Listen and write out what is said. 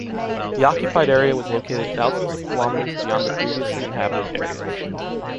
The occupied area was located thousands of kilometers beyond the previously inhabited areas.